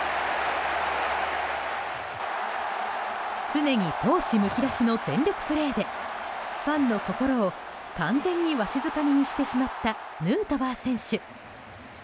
常に闘志むき出しの全力プレーでファンの心を完全にわしづかみにしてしまったヌートバー選手。